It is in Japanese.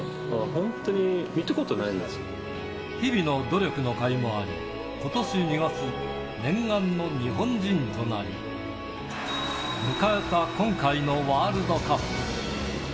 本当に、日々の努力のかいもあり、ことし２月、念願の日本人となり、迎えた今回のワールドカップ。